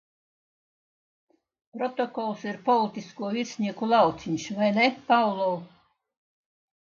Protokols ir politisko virsnieku lauciņš, vai ne, Pavlov?